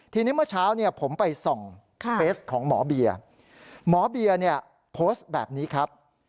ทีนี้เมื่อเช้าผมไปส่งเฟสของหมอเบียหมอเบียโพสต์แบบนี้ครับ